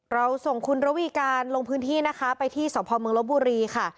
เราส่งคุณระวีการลงพื้นที่นะคะไปที่สพเมืองลบบุรีค่ะ